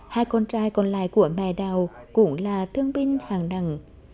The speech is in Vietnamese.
hai con trai còn lại của mẹ đào cũng là thương binh hàng nằng